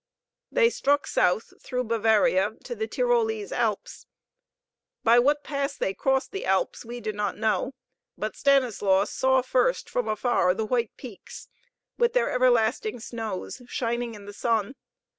They struck south through Bavaria to the Tyrolese Alps. By what pass they crossed the Alps we do not know. But Stanislaus saw first from afar the white peaks, with their everlasting snows, shining in the sun.